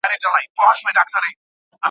موږ د توليد لپاره نوي طريقې وکارولې.